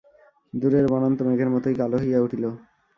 দূরের বনান্ত মেঘের মতোই কালো হইয়া উঠিল।